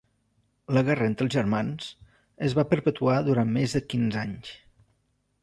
La guerra entre els germans es va perpetuar durant més de quinze anys.